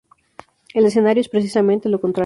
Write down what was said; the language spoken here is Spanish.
El escenario es precisamente lo contrario.